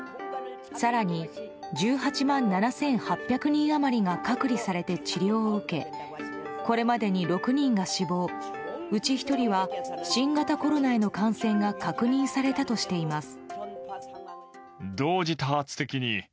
更に１８万７８００人余りが隔離されて治療を受けこれまでに６人が死亡うち１人は新型コロナへの感染が確認されたとしています。